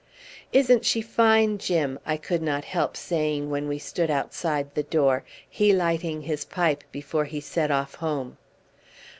"Isn't she fine, Jim?" I could not help saying when we stood outside the door, he lighting his pipe before he set off home.